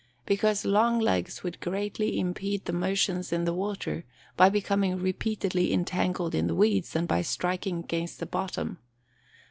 _ Because long legs would greatly impede their motions in the water, by becoming repeatedly entangled in the weeds, and by striking against the bottom.